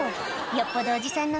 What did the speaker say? よっぽどおじさんの